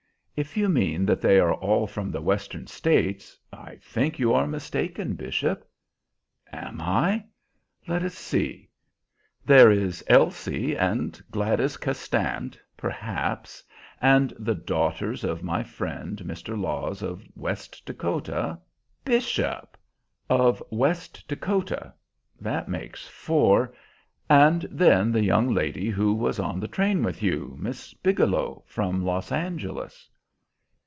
"If you mean that they are all from the Western States, I think you are mistaken, Bishop." "Am I? Let us see. There is Elsie, and Gladys Castant, perhaps, and the daughters of my friend Mr. Laws of West Dakota" "Bishop!" "Of West Dakota; that makes four. And then the young lady who was on the train with you, Miss Bigelow, from Los Angeles."